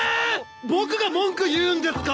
僕が文句言うんですか！？